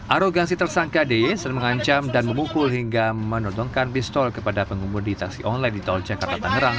arogansi tersangka deye sering mengancam dan memukul hingga menodongkan pistol kepada pengumur di taksi online di tol jakarta ngerang